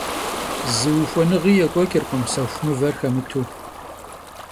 Zı vuxuenıği yêk'ueç'ırkhım sexu mıver xemıtu.